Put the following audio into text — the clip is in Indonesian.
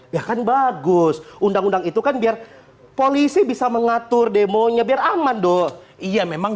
ya kan bagus undang undang itu kan biar polisi bisa mengatur demonya biar aman dong iya memang